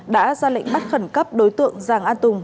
đã ra lệnh bắt khẩn cấp đối tượng giàng a tùng